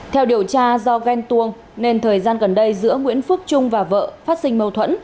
theo điều tra do ghen tuông nên thời gian gần đây giữa nguyễn phước trung và vợ phát sinh mâu thuẫn